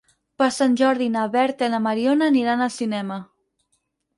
Per Sant Jordi na Berta i na Mariona aniran al cinema.